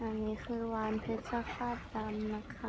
อันนี้คือวานเพชรข้าดดำนะคะ